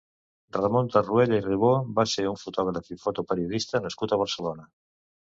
Ramon Tarruella i Ribó va ser un fotògraf i fotoperiodista nascut a Barcelona.